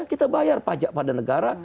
kita bayar pajak pada negara